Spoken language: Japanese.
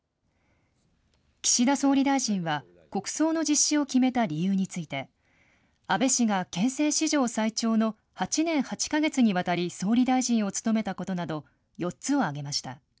岸田総理大臣は、国葬の実施を決めた理由について、安倍氏が憲政史上最長の８年８か月にわたり総理大臣を務めたことなど、４つを挙げました。